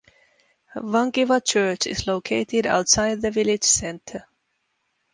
Vankiva Church is located outside the village center.